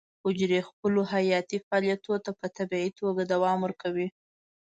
حجرې خپلو حیاتي فعالیتونو ته په طبیعي توګه دوام ورکوي.